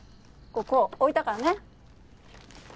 ここ置いたからね。